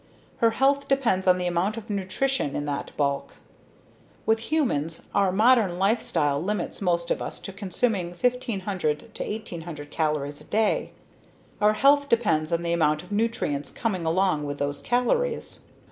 Her health depends on the amount of nutrition in that bulk. With humans, our modern lifestyle limits most of us to consuming 1,500 to 1,800 calories a day. Our health depends on the amount of nutrients coming along with those calories.